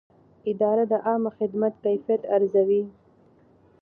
اداره د عامه خدمت کیفیت ارزوي.